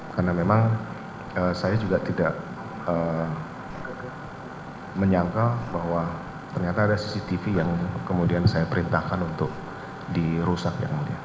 karena memang saya juga tidak menyangka bahwa ternyata ada cctv yang kemudian saya perintahkan untuk dirusak